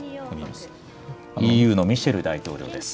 ＥＵのミシェル大統領です。